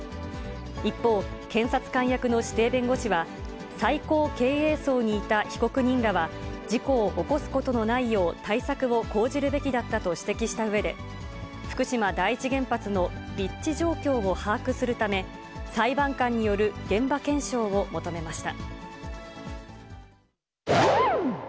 一方、検察官役の指定弁護士は、最高経営層にいた被告人らは事故を起こすことのないよう対策を講じるべきだったと指摘したうえで、福島第一原発の立地状況を把握するため、裁判官による現場検証を求めました。